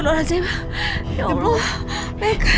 ibu mimpi buruk nak